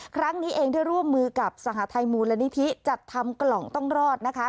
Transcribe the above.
ครั้งนี้เองได้ร่วมมือกับสหทัยมูลนิธิจัดทำกล่องต้องรอดนะคะ